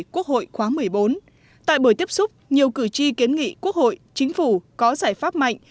quốc hội khóa một mươi bốn tại buổi tiếp xúc nhiều cử tri kiến nghị quốc hội chính phủ có giải pháp mạnh